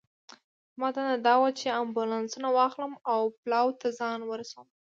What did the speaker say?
زما دنده دا وه چې امبولانسونه واخلم او پلاوا ته ځان ورسوم.